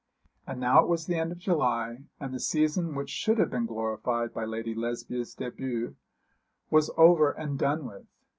And now it was the end of July, and the season which should have been glorified by Lady Lesbia's début was over and done with.